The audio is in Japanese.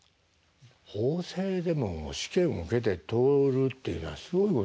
法政でも試験受けて通るっていうのはすごいことですよ。